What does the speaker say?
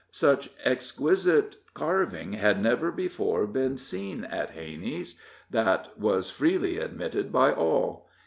Such exquisite carving had never before been seen at Hanney's that was freely admitted by all.